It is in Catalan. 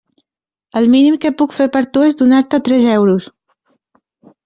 El mínim que puc fer per tu és donar-te tres euros.